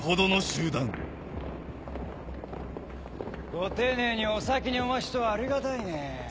ご丁寧にお先にお待ちとはありがたいねぇ。